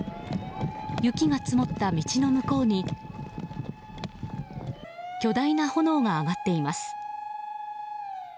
雪が積もった道の向こうに巨大な炎が上がっています。